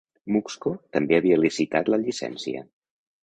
MuxCo també havia licitat la llicència.